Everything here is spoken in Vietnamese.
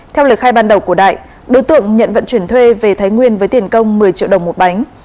theo lời khai ban đầu của đại đối tượng nhận vận chuyển thuê về thái nguyên với tiền công một mươi triệu đồng một bánh